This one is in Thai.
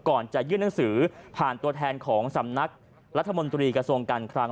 ก่อนจะยื่นหนังสือผ่านตัวแทนของสำนักรัฐมนตรีกระทรวงการคลัง